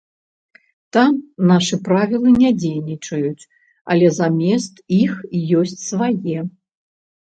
Там нашы правілы не дзейнічаюць, але замест іх ёсць свае.